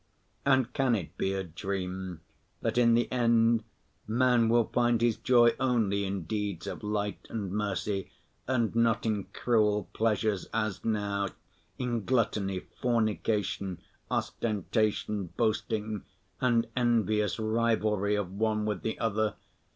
And can it be a dream, that in the end man will find his joy only in deeds of light and mercy, and not in cruel pleasures as now, in gluttony, fornication, ostentation, boasting and envious rivalry of one with the other?